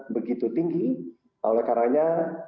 begitu tinggi oleh karena